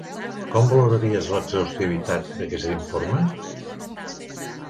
Com valoraries l'exhaustivitat d'aquest informe?